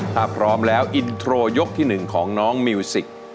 ถ้าพร้อมแล้วอินโทรยกที่๑ของน้องมิวสิก